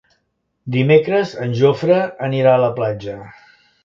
Dimecres en Jofre anirà a la platja.